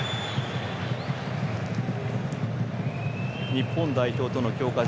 日本代表との強化